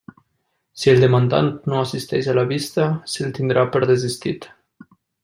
Si el demandant no assisteix a la vista, se'l tindrà per desistit.